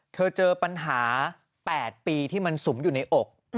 เจอปัญหา๘ปีที่มันสุมอยู่ในอก